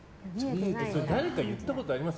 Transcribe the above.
それ誰かに言ったことあります？